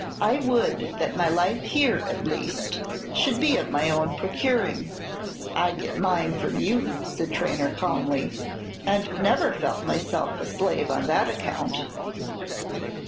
I would that my life here, at least, should be of my own procuring." "I get mine from you," said Traynor, calmly, "and never felt myself a slave on that account."